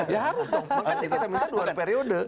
ya harus dong kita minta dua periode